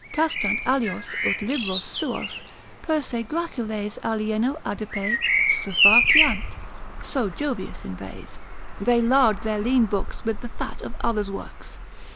Castrant alios ut libros suos per se graciles alieno adipe suffarciant (so Jovius inveighs.) They lard their lean books with the fat of others' works.